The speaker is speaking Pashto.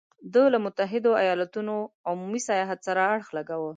دا له متحدو ایالتونو عمومي سیاست سره اړخ لګاوه.